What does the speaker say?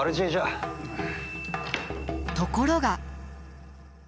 ところが。